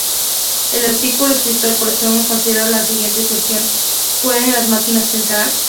El artículo escrito por Turing considera la siguiente cuestión: "¿Pueden las máquinas pensar?".